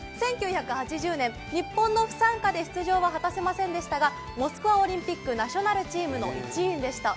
１９８０年日本の不参加で出場は果たせませんでしたが、モスクワオリンピック、ナショナルチームの一員でした。